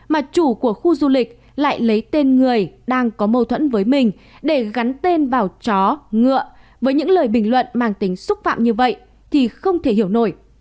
mà chủ của khu du lịch lại lấy tên người đang có mâu thuẫn với mình để gắn tên vào chó ngựa với những lời bình luận mang tính xúc phạm như vậy thì không thể hiểu nổi